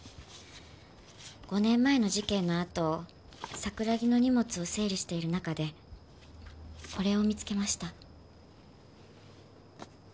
５年前の事件のあと桜木の荷物を整理している中でこれを見つけました。